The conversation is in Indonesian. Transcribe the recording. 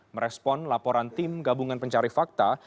merespon laporan tim gabungan pencari fakta